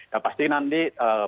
nah pasti nanti